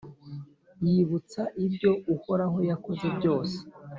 yibutsa ibyo uhoraho yakoze byose,